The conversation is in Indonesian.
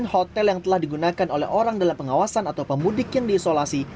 hotel yang telah digunakan oleh orang dalam pengawasan atau pemudik yang diisolasi